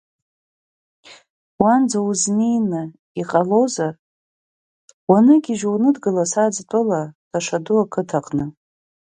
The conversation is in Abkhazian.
Уанӡа узнеины иҟалозар, уаныгьыжьуа уныдгыл Асаӡ тәыла, Тышаду ақыҭаҟны.